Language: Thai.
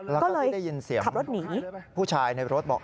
แล้วก็ได้ยินเสียงผู้ชายในรถบอก